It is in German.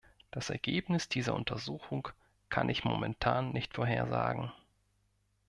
Das Ergebnis dieser Untersuchung kann ich momentan nicht vorhersagen.